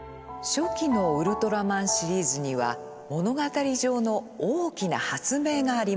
初期のウルトラマンシリーズには物語上の大きな発明がありました。